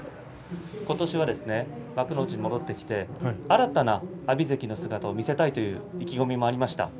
ことしは幕内に戻って新たな阿炎関の姿を見せたいという意気込みがありました。